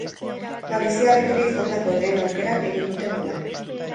Galiziarrek ere izandako lehen aukeran egin dute gola.